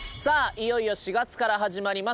いよいよ４月から始まります